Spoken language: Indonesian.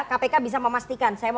kpk bisa memastikan saya mau tanya